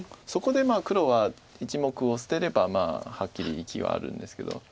そこで黒は１目を捨てればまあはっきり生きはあるんですけど。